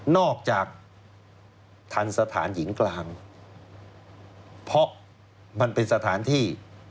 จากทันสถานหญิงกลางเพราะมันเป็นสถานที่